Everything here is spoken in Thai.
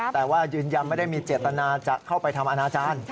แต่ว่ายืนยันไม่ได้มีเจตนาจะเข้าไปทำอนาจารย์